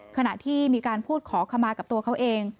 ขณะที่มีการพูดขอขมากับตัวเขาเอง